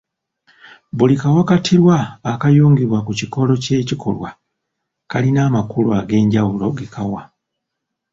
Buli kawakatirwa akayungibwa ku kikolo ky'ekikolwa kalina amakulu ag'enjawulo ge kawa